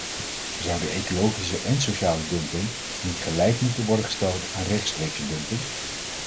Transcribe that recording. Zouden ecologische en sociale dumping niet gelijk moeten worden gesteld aan rechtstreekse dumping?